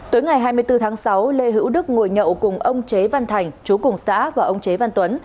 tối ngày hai mươi bốn tháng sáu lê hữu đức ngồi nhậu cùng ông chế văn thành chú cùng xã và ông chế văn tuấn